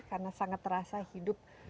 karena sangat terasa hidup